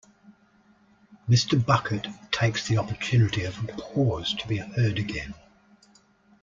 Mr. Bucket takes the opportunity of a pause to be heard again.